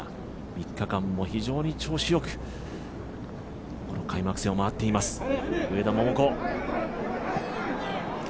３日間も非常に調子よく開幕戦を回っています、上田桃子。